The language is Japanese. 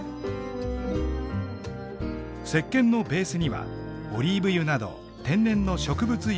せっけんのベースにはオリーブ油など天然の植物油を使用。